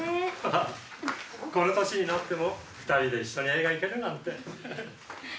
あぁこの年になっても２人で一緒に映画行けるなんて。